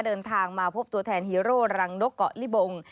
เดินทางมาพบตัวแทนฮีโร่รังนกเกาะลิบง